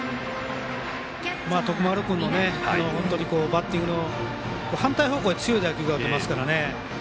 徳丸君も本当にバッティング反対方向に強い打球が打てますからね。